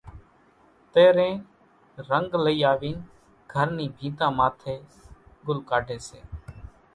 تيرين رنگ لئي آوين گھر نِي ڀينتان ماٿي ڳُل ڪاڍي سي